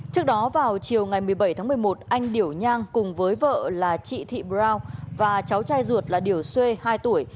trước đó vào chiều ngày một mươi bảy tháng một mươi một anh điểu nhang cùng với vợ là chị thị brow và cháu trai ruột là điểu xuê hai tuổi